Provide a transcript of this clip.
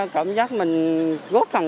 cảm giác mình góp phòng